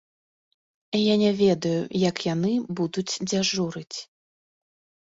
Я не ведаю, як яны будуць дзяжурыць.